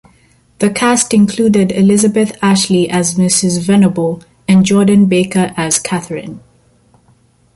The cast included Elizabeth Ashley as Mrs. Venable and Jordan Baker as Catharine.